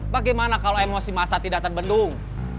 bagaimana kalau emosi masa tidak terbendung